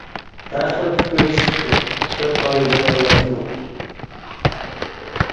ھەر خىل پىكىر چۈشۈپتۇ، كۆپ بار يەر ئەمەسمۇ!